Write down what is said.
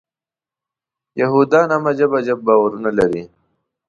یهودان هم عجب عجب باورونه لري.